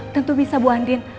tentu bisa bu andin